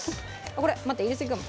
これ待って入れすぎかも。